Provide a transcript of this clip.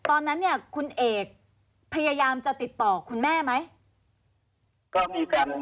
ตอนนั้นเนี่ยคุณเอกพยายามจะติดต่อคุณแม่ไหม